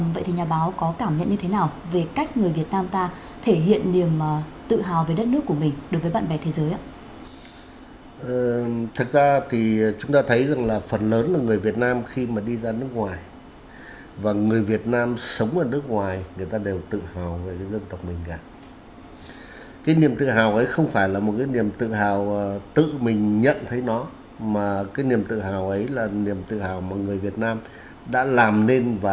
vậy thì nhà báo có cảm nhận như thế nào về cách người việt nam ta thể hiện niềm tự hào về đất nước của mình đối với bạn bè thế giới